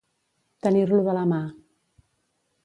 Tenir-lo de la mà.